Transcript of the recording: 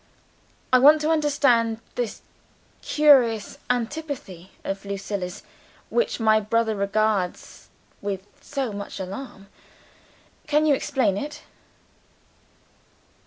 "I want to understand this curious antipathy of Lucilla's which my brother regards with so much alarm. Can you explain it?"